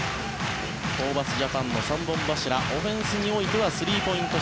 ホーバスジャパンの三本柱オフェンスにおいてはスリーポイント